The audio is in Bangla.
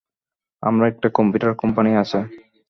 আমার একটা কম্পিউটার কোম্পানি আছে।